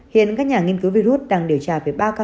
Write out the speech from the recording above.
hiện các nhà nghiên cứu virus đang điều tra